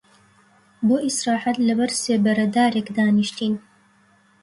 بۆ ئیستراحەت لە بەر سێبەرە دارێک دانیشتین